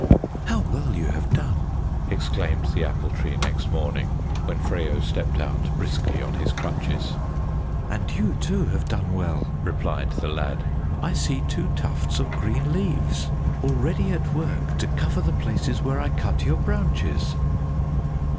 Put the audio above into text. "How well you have done!" exclaimed the Apple Tree next morning, when Freyo stepped out briskly on his crutches. "And you too have done well," replied the lad. "I see two tufts of green leaves already at work to cover the places where I cut your branches."